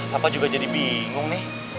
bapak juga jadi bingung nih